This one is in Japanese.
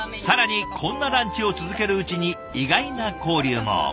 更にこんなランチを続けるうちに意外な交流も。